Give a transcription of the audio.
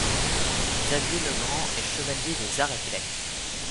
Xavier Legrand est Chevalier des Arts et des Lettres.